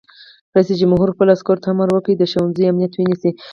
رئیس جمهور خپلو عسکرو ته امر وکړ؛ د ښوونځیو امنیت ونیسئ!